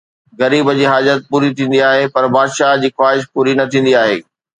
غريب جي حاجت پوري ٿيندي آهي پر بادشاهه جي خواهش پوري نه ٿيندي آهي